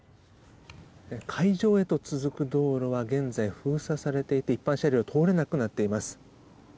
会場へと続く道路は現在、封鎖されていて一般車両は通れなくなっています。